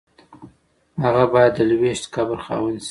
هغه باید د لویشت قبر خاوند شي.